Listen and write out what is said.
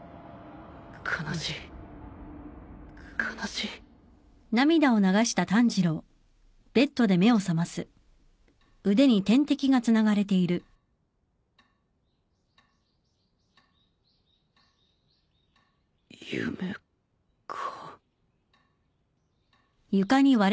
悲しい悲しい夢か。